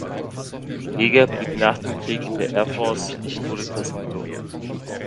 Yeager blieb nach dem Krieg in der Air Force und wurde Testpilot.